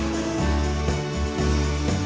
สู้คุ้ณ